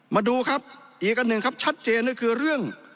มาดูครับอีกอันหนึ่งครับชัดเจนก็คือเรื่อง